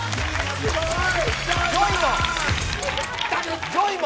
すごい！